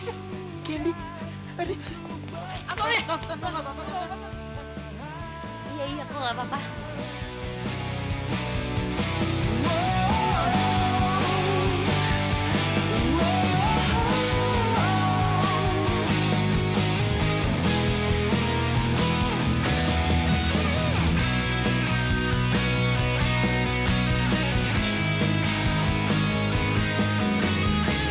waktu pertama kali aku kenal sama kamu